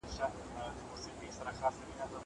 زه هره ورځ لیکل کوم!